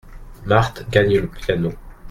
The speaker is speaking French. Marthe gagne le piano.